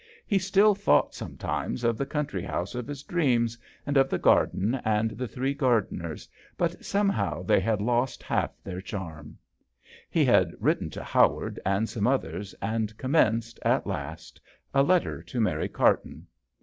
He still thought sometimes of the country house of his dreams and of the garden and the three gardeners, but somehow they had lost half their charm. He had written to Howard and some others, and commenced, at last, a letter to Mary Carton..